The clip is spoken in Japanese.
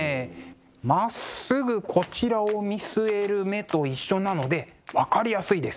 まっすぐこちらを見据える目と一緒なので分かりやすいです。